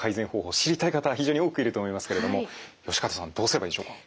知りたい方は非常に多くいると思いますけれども善方さんどうすればいいでしょうか。